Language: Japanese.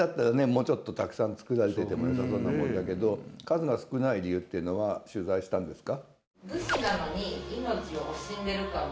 もうちょっとたくさん作られていてもよさそうなもんだけど数が少ない理由っていうのは取材したんですか？